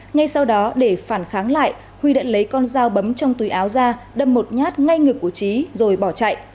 ngay sau đó để phản kháng lại huy đã lấy con dao bấm trong túi áo ra đâm một nhát ngay ngực của trí rồi bỏ chạy